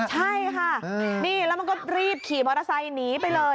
ใช่ค่ะนี่แล้วมันก็รีบขี่มอเตอร์ไซค์หนีไปเลย